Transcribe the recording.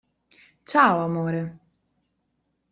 Ciao, amore!